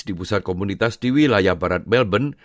di pusat komunitas di wilayah barat melbourne